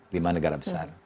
lima negara besar